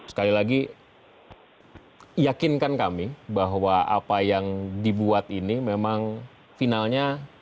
sekali lagi yakinkan kami bahwa apa yang dibuat ini memang finalnya